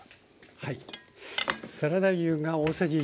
はい。